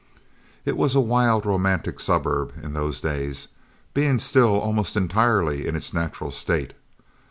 It was a wild, romantic suburb in those days, being still almost entirely in its natural state.